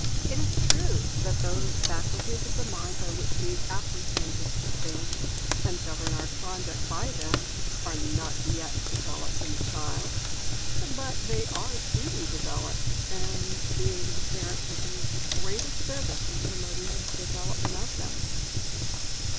It is true that those faculties of the mind by which we apprehend distant things and govern our conduct by them are not yet developed in the child; but they are to be developed, and the aid of the parent will be of the greatest service in promoting the development of them.